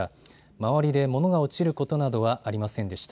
周りで物が落ちることなどはありませんでした。